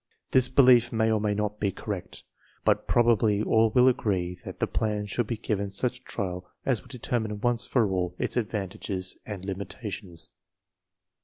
This belief may or may not be correct, but prob ably all will agree that the plan should be given such trial as will determine once for all its advantages and limitations.